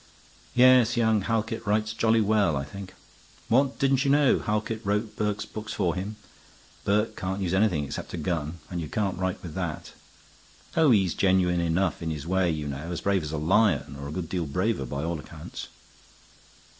"Yes, young Halkett writes jolly well, I think. What? Didn't you know Halkett wrote Burke's book for him? Burke can't use anything except a gun; and you can't write with that. Oh, he's genuine enough in his way, you know, as brave as a lion, or a good deal braver by all accounts."